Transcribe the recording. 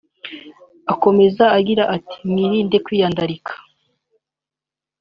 Akomeza agira ati “Mwirinde kwiyandarika